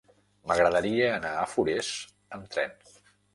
M'agradaria anar a Forès amb tren.